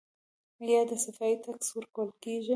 آیا د صفايي ټکس ورکول کیږي؟